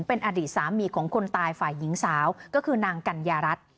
เป็นอดีตสามีของคนตายฝ่ายหญิงสาวก็คือนางกัญญารัฐ